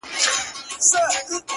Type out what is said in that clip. هغه مي سرې سترگي زغملای نسي!!